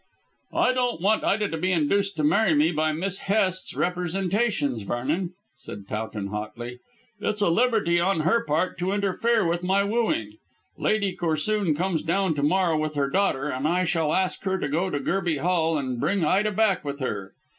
"I don't want Ida to be induced to marry me by Miss Hest's representations, Vernon," said Towton hotly. "It's a liberty on her part to interfere with my wooing. Lady Corsoon comes down to morrow with her daughter, and I shall ask her to go to Gerby Hall and bring Ida back with her.